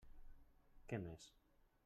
Què més?